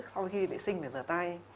sau khi đi vệ sinh phải rửa tay